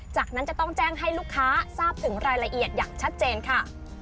จากนั้นจะต้องแจ้งให้ลูกค้าทราบถึงรายละเอียดอย่างชัดเจนค่ะ